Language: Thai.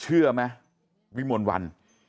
เชื่อมั้ยวิมวลวัน